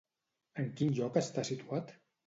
En quin lloc està situat?